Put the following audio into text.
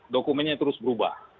dokumennya terus berubah